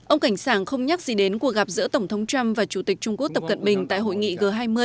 ông cảnh sảng không nhắc gì đến cuộc gặp giữa tổng thống trump và chủ tịch trung quốc tập cận bình tại hội nghị g hai mươi